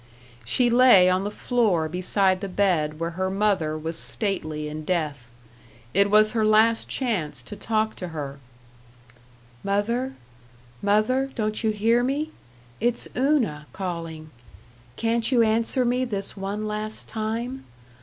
She lay on the floor beside the bed where her mother was stately in death. It was her last chance to talk to her: "Mother ... Mother ... Don't you hear me? It's Una calling. Can't you answer me this one last time?